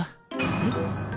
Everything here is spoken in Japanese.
えっ。